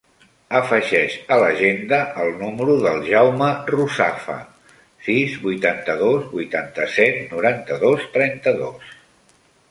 Afegeix a l'agenda el número del Jaume Ruzafa: sis, vuitanta-dos, vuitanta-set, noranta-dos, trenta-dos.